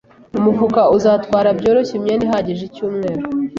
Umufuka uzatwara byoroshye imyenda ihagije icyumweru.